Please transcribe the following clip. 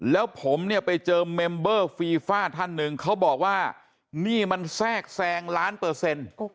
แล้วผมเนี่ยไปเจอเมมเบอร์ฟีฟ่าท่านหนึ่งเขาบอกว่านี่มันแทรกแซงล้านเปอร์เซ็นต์